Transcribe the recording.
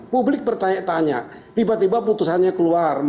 publik bertanya tanya tiba tiba putusannya keluar